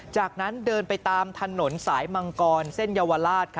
จากนั้นเดินไปตามถนนสายมังกรเส้นเยาวราช